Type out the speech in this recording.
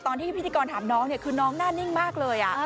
ที่ก่อนถามน้องเนี่ยคือน้องหน้านิ่งมากเลยอ่ะ